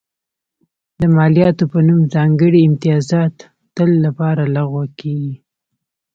د مالیاتو په نوم ځانګړي امتیازات تل لپاره لغوه کېږي.